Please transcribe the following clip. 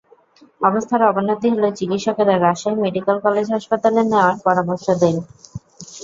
অবস্থার অবনতি হলে চিকিৎসকেরা রাজশাহী মেডিকেল কলেজ হাসপাতালে নেওয়ার পরামর্শ দেন।